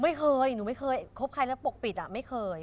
ไม่เคยหนูไม่เคยคบใครแล้วปกปิดอ่ะไม่เคย